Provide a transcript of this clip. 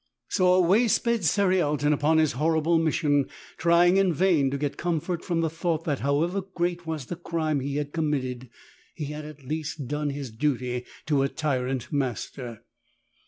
So away sped Cerialton upon his horrible mission, trying in vain to get comfort from the thought that however great was the crime he had committed he had at least done his duty to a tyrant master.